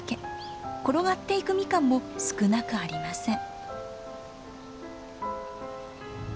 転がっていくミカンも少なくありません。